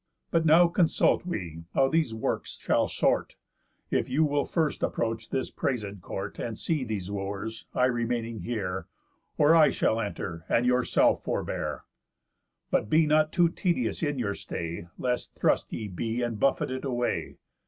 But now consult we how these works shall sort, If you will first approach this praiséd court, And see these Wooers, I remaining here; Or I shall enter, and yourself forbear? But be not you too tedious in your stay, Lest thrust ye be and buffeted away.